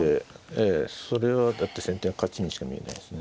ええそれはだって先手が勝ちにしか見えないですね。